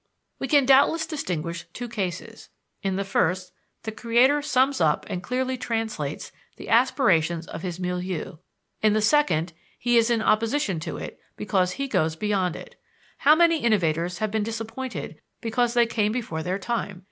We can doubtless distinguish two cases in the first, the creator sums up and clearly translates the aspirations of his milieu; in the second, he is in opposition to it because he goes beyond it. How many innovators have been disappointed because they came before their time!